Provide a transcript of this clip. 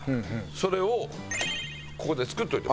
それをここで作っておいて。